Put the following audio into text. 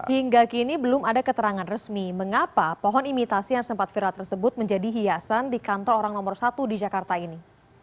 hingga kini belum ada keterangan resmi mengapa pohon imitasi yang sempat viral tersebut menjadi hiasan di kantor orang nomor satu di jakarta ini